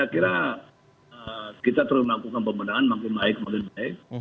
saya kira kita terus melakukan pembenahan makin baik makin baik